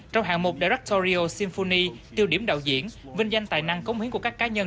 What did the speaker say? trong hạng một directorial symphony tiêu điểm đạo diễn vinh danh tài năng cống hiến của các cá nhân